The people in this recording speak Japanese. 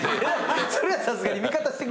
それはさすがに味方してくれる。